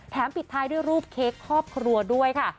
ปิดท้ายด้วยรูปเค้กครอบครัวด้วยค่ะ